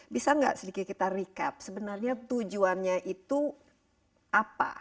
bisa nggak sedikit kita recap sebenarnya tujuannya itu apa